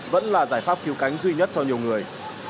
vẫn là giải pháp cứu cánh duy nhất cho nhiều người